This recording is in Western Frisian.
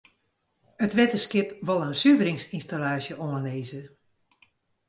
It wetterskip wol in suveringsynstallaasje oanlizze.